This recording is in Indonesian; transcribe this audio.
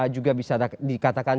juga bisa dikatakan